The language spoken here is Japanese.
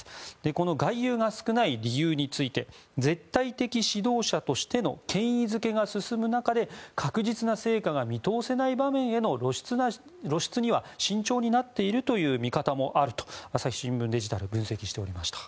この外遊が少ない理由について絶対的指導者としての権威付けが進む中で確実な成果が見通せない場面への露出には慎重になっているという見方もあると朝日新聞デジタルは分析していました。